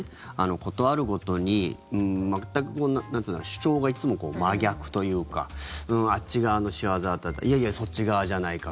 事あるごとに、全くこう主張がいつも真逆というかあっち側の仕業だいやいやそっち側じゃないか